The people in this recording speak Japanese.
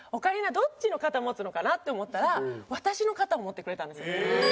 どっちの肩持つのかな？って思ったら私の肩を持ってくれたんです。